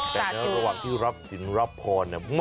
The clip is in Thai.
แต่ในระหว่างที่รับสินรับพรเนี่ย